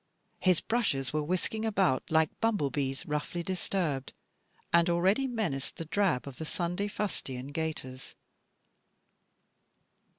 His brushes were whisking about, like bumble bees roughly disturbed, and already menaced the drab of the Sunday fustian gaiters.